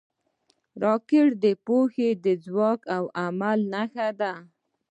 راکټ د پوهې، ځواک او عمل نښان دی